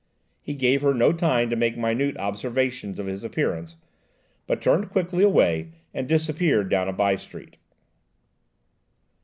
He gave her no time to make minute observation of his appearance, but turned quickly away, and disappeared down a by street.